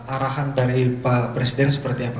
arahan dari pak presiden seperti apa